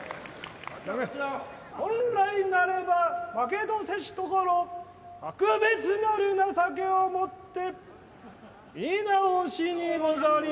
本来なれば負けとせしところ格別なる情けをもって取り直しにござります。